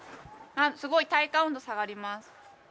すごい体感温度下がります。